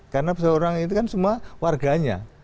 karena seseorang itu kan semua warganya